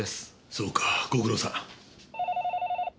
そうかご苦労さん。